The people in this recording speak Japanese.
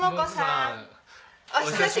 お久しぶりです。